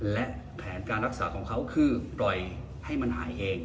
และแผนการรักษาของเขาคือปล่อยให้มันหายเอง